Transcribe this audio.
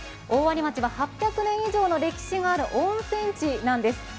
大鰐町は８００年以上の歴史がある温泉地なんです。